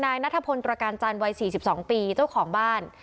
นายนัทพลตรการจันทร์วัยสี่สิบสองปีเจ้าของบ้าน